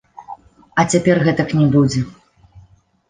А цяпер гэтак не будзе.